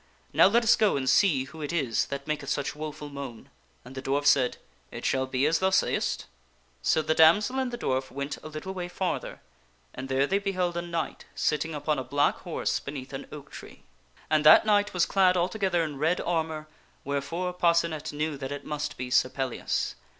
Now let us go and see who it is that maketh such woful moan." And the dwarf said, " It shall be as thou sayest." So the damsel and the dwarf went a little way farther and there they beheld a knight sitting upon a black horse beneath an oak tree. And that knight was clad altogether in red armor, wherefore, Parcenet findetk Sir Pel knew that it must be Sir Pellias.